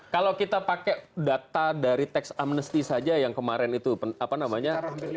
kalau kita pakai data dari teks amnesty saja yang kemarin itu apa namanya